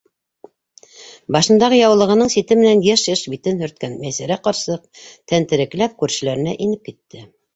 Башындағы яулығының сите менән йыш-йыш битен һөрткән Мәйсәрә ҡарсыҡ тәнтерәкләп күршеләренә инеп китте.